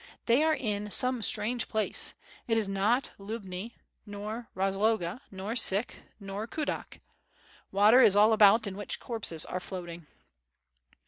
They are in some strange place, it is not Lubni, nor Rozloga, nor Sich, nor Kudak. ... water is all about in which corpses are floating.